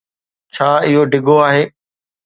ڇا اھو ڊگھو آھي؟